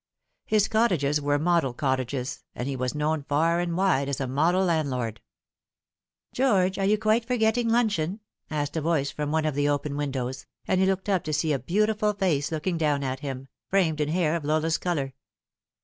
His cottages were model cottages, and he was known far and wide as a model landlord. " George, are you quite forgetting luncheon ?" asked a voice from one of the open windows, and he looked up to see a beautiful face looking out at him, framed in hair of Lola's colour.